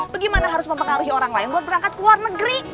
bagaimana harus mempengaruhi orang lain buat berangkat ke luar negeri